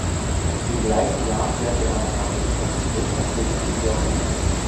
Im gleichen Jahr kehrte er nach Amerika zurück und zog nach New York um.